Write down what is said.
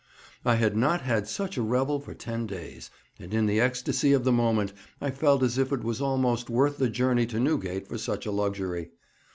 I had not had such a revel for ten days, and in the ecstasy of the moment I felt as if it was almost worth the journey to Newgate for such a luxury.